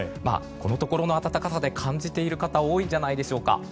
このところの暖かさで感じている方多いんじゃないでしょうか。